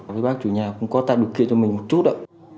với bác chủ nhà cũng có tạo được kia cho mình một chút ạ